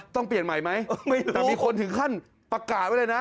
ต้องเปลี่ยนใหม่ไหมแต่มีคนถึงขั้นประกาศไว้เลยนะ